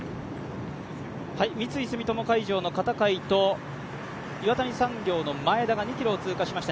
三井住友海上の片貝と岩谷産業の前田が２ｋｍを通過しました。